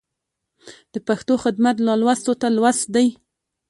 د پښتو خدمت نالوستو ته لوست دی.